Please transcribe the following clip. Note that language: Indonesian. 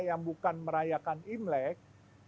yang bukan merayakan imrek